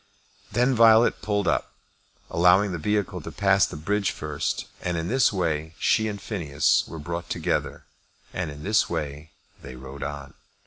Then Violet pulled up, allowing the vehicle to pass the bridge first, and in this way she and Phineas were brought together, and in this way they rode on.